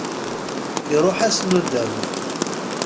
Iruḥ-as nnudam.